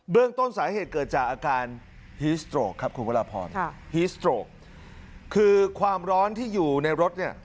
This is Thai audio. เรื่องต้นสาเหตุเกิดจากอาการฮีสโตรกครับคุณพระราพรฮีสโตรกคือความร้อนที่อยู่ในรถเนี่ย